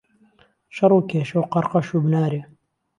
شەڕ و کێشە و قەڕقەش و بنارێ.